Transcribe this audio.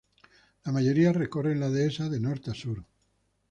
La mayoría recorren la dehesa de norte a sur.